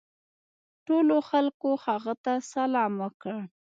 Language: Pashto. ټولو خلکو هغه ته سلام وکړ.